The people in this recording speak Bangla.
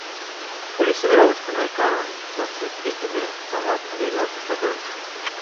পুলিশ তাঁদের অবস্থানের কারণ জানতে গেলে তাঁরা পালিয়ে যাওয়ার চেষ্টা করেন।